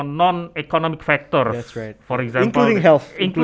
faktor ekonomi yang tidak